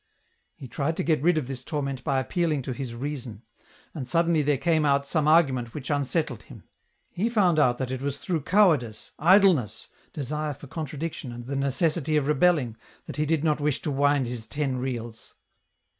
'' He tried to get rid of this torment by appealing to his eason : and suddenly there came out some argument which unsettled him. He found out that it was through cowardice, idleness, desire for contradiction and the necessity of rebelling, that he did not wish to wind his ten reels.